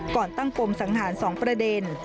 ก่อนตั้งปมสังหาร๒ประเด็น